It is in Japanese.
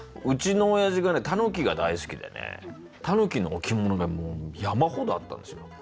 うちのおやじがねタヌキが大好きでねタヌキの置物がもう山ほどあったんですよ